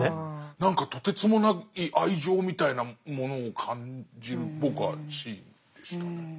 何かとてつもない愛情みたいなものを感じる僕はシーンでしたね。